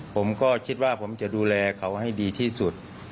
ผมก็คิดว่าผมจะดูแลเขาให้ดีที่สุด